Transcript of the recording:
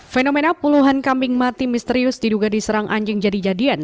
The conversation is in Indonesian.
fenomena puluhan kambing mati misterius diduga diserang anjing jadi jadian